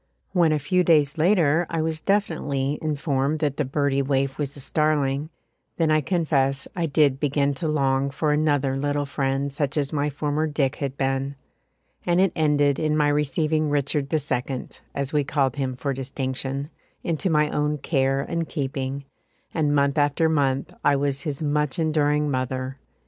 When a few days later I was definitely informed that the birdie waif was a starling, then I confess I did begin to long for another little friend such as my former "Dick" had been, and it ended in my receiving Richard the Second, as we called him for distinction, into my own care and keeping, and month after month I was his much enduring mother.